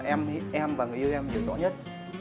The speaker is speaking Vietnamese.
em và người yêu em hiểu rõ nhất